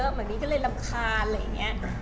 เหมือนนี้ก็เลยรำคาญอะไรอย่างนี้